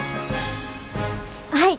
はい！